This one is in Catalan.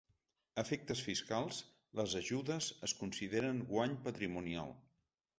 A efectes fiscals, les ajudes es consideren guany patrimonial.